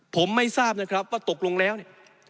ผมไม่ทราบนะครับว่าตกลงแล้วเนี่ย